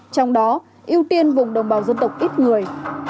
trong đó ưu tiên vùng đồng bào dân tộc ít người